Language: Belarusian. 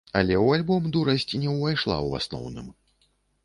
Але ў альбом дурасць не ўвайшла ў асноўным.